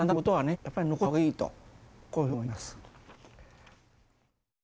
やっぱり残した方がいいとこういうふうに思います。